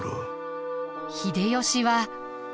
秀吉は。